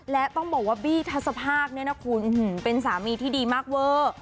และต้องบอกว่าบี้ทัศภาคเนี่ยนะคุณเป็นสามีที่ดีมากเวอร์